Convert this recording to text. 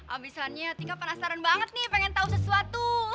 abisannya tika penasaran banget nih pengen tahu sesuatu